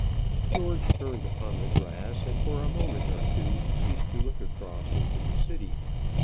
George turned upon the grass, and for a moment or two ceased to look across into the city.